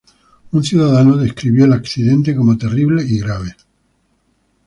Un ciudadano describió el accidente como "terrible y grave".